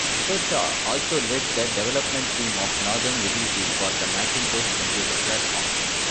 Socha also led the development team of Norton Utilities for the Macintosh computer platform.